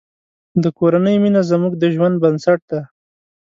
د کورنۍ مینه زموږ د ژوند بنسټ دی.